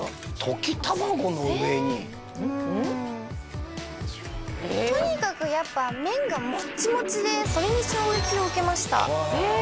溶き卵の上にうんとにかくやっぱ麺がモッチモチでそれに衝撃を受けましたへえ